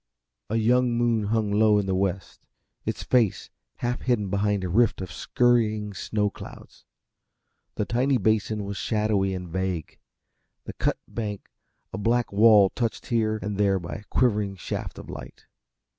A young moon hung low in the west, its face half hidden behind a rift of scurrying snow clouds. The tiny basin was shadowy and vague, the cut bank a black wall touched here and there by a quivering shaft of light.